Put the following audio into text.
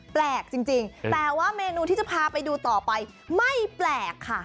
แปลกจริงแต่ว่าเมนูที่จะพาไปดูต่อไปไม่แปลกค่ะ